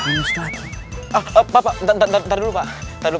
dipercaya untuk itu